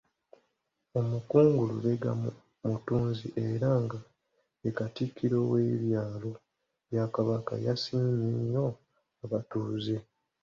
Omukungu Lubega Mutunzi era nga ye Katikkiro w’ebyalo bya Kabaka yasiimye nnyo abatuuze.